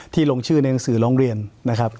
ลงชื่อในหนังสือร้องเรียนนะครับ